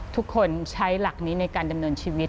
ทุกคนใช้หลักนี้ในการดำเนินชีวิต